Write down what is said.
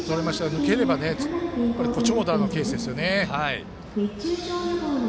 抜ければ長打のケースですよね。